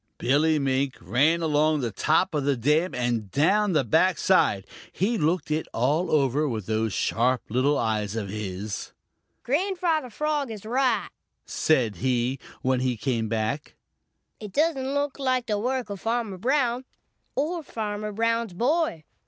Billy Mink ran along the top of the dam and down the back side. He looked it all over with those sharp little eyes of his. "Grandfather Frog is right," said he, when he came back. "It doesn't look like the work of Farmer Brown or Farmer Brown's boy.